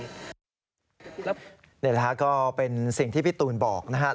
นี่แหละฮะก็เป็นสิ่งที่พี่ตูนบอกนะครับ